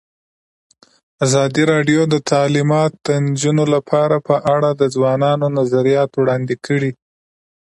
ازادي راډیو د تعلیمات د نجونو لپاره په اړه د ځوانانو نظریات وړاندې کړي.